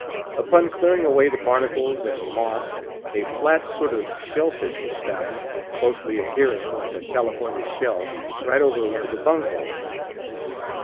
Upon clearing away the barnacles and moss, a flat sort of shell fish was found, closely adhering, like a California shell, right over one of the bungs.